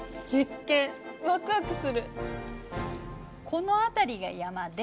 この辺りが山で